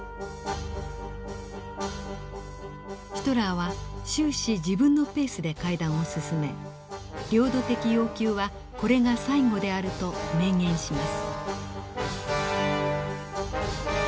ヒトラーは終始自分のペースで会談を進め領土的要求はこれが最後であると明言します。